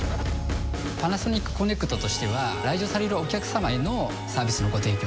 パナソニックコネクトとしては来場されるお客様へのサービスのご提供が一番だと考えます。